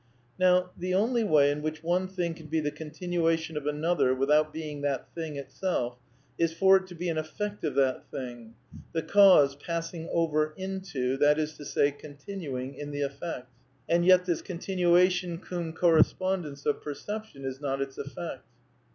Now the only way in which one thing can be the con tinuation of another without being that thing itself is for it to be an effect of that thing, the cause passing over into, that is to say, continuing in the effect. And yet this con tinuation cum correspondence of perception is not its effect.